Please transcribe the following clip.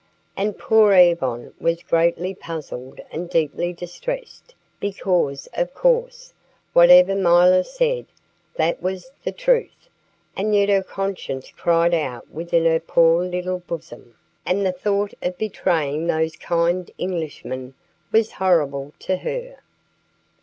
And poor Yvonne was greatly puzzled and deeply distressed, because, of course, whatever milor said, that was the truth; and yet her conscience cried out within her poor little bosom, and the thought of betraying those kind Englishmen was horrible to her.